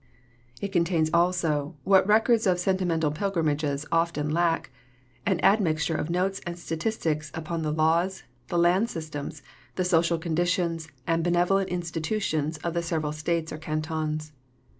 It contains also, what records of sentimental pilgrimages often lack, an admixture of notes and statistics upon the laws, the land systems, the social conditions and benevolent institutions of the several states or cantons.